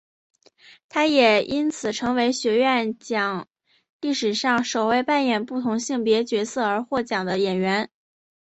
她也因此成为学院奖历史上首位扮演不同性别角色而获奖的演员。